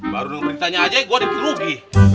baru nunggu beritanya aja gue lagi rugi